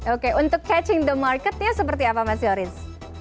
oke untuk catching the marketnya seperti apa mas yoris